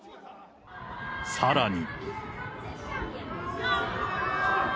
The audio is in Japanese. さらに。